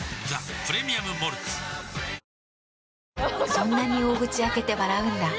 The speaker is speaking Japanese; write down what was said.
そんなに大口開けて笑うんだ。